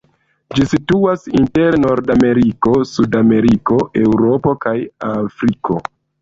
Ĝi situas inter Nordameriko, Sudameriko, Eŭropo kaj Afriko.